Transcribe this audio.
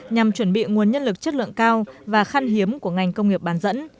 nhằm chuẩn bị nguồn nhân lực chất lượng cao và khăn hiếm của ngành công nghiệp bán dẫn